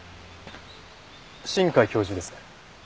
新海教授ですね。